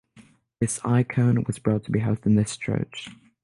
This icon was brought to be housed in this church.